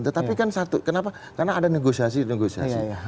tetapi kan satu kenapa karena ada negosiasi negosiasi